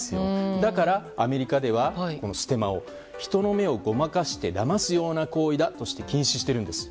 だから、アメリカではステマを人の目をごまかしてだます行為だとして禁止しているんです。